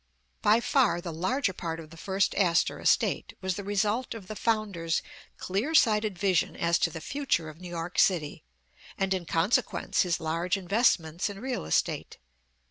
By far the larger part of the first Astor estate, was the result of the founder 's clear sighted vision as to the future of New York city, and in consequence, his large investments in real estate.